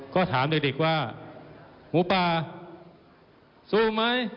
ก็ถามเด็กว่าหมูป่าสู้ไหม